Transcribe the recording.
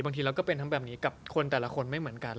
บางทีเราก็เป็นทั้งแบบนี้กับคนแต่ละคนไม่เหมือนกัน